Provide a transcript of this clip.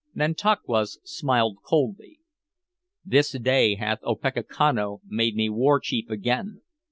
Nantauquas smiled coldly. "This day hath Opechancanough made me war chief again.